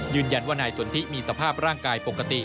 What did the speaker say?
ยืนยันว่านายสนทิมีสภาพร่างกายปกติ